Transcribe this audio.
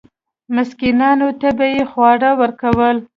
مسکینانو ته به یې خواړه ورکول.